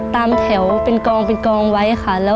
ตามแถวเป็นกองไว้